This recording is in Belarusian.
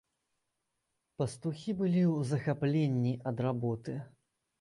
Пастухі былі ў захапленні ад работы.